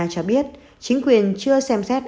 cho biết chính quyền chưa xem xét